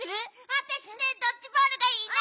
あたしねドッジボールがいいな！